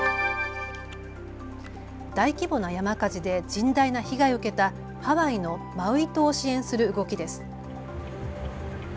大規模な山火事で甚大な被害を受けたハワイのマウイ島を支援する動きです。